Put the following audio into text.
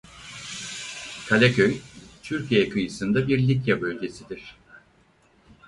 Kaleköy Türkiye kıyısında bir Likya bölgesidir.